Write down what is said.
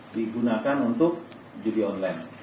digunakan untuk judi online